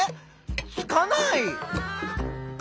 つかない。